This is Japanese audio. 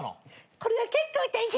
これが結構大変で。